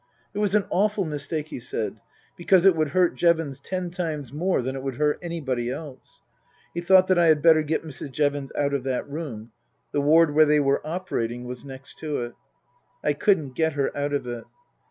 It was an awful mistake, he said, because it would hurt Jevons ten times more than it would hurt anybody else. He thought that I had better get Mrs. Jevons out of that room ; the ward where they were operating was next to it. I couldn't get her out of it.